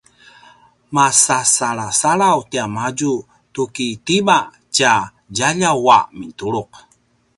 masasalasalaw tiamadju tu ki tima tja djaljaw a mintuluq